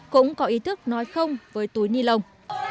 cũng có ý thức nói không với túi ni lông